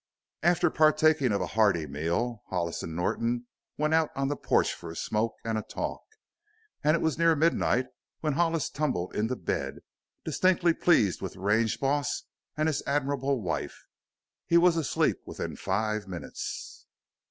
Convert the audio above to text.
After partaking of a hearty meal Hollis and Norton went out on the porch for a smoke and a talk, and it was near midnight when Hollis tumbled into bed, distinctly pleased with the range boss and his admirable wife. He was asleep within five minutes.